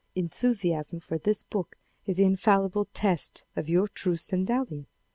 Enthusiasm for this book is the infallible test of your true Stendhalian.